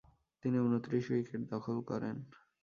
তিনি ঊনত্রিশ উইকেট দখল করেন।